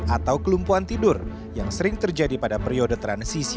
atau kelumpuhan tidur yang sering terjadi pada periode transisi